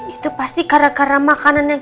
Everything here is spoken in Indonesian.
itu pasti karena karena makanan yang